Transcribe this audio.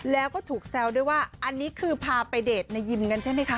แล้วก็ถูกแซวด้วยว่าอันนี้คือพาไปเดทในยิมกันใช่ไหมคะ